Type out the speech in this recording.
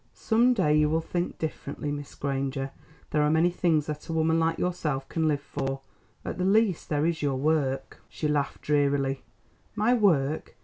"Some day you will think differently, Miss Granger. There are many things that a woman like yourself can live for—at the least, there is your work." She laughed drearily. "My work!